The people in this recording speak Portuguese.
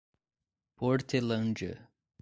Portelândia